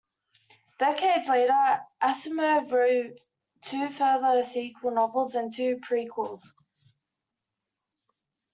Decades later, Asimov wrote two further sequel novels and two prequels.